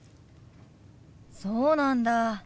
そうなんだ。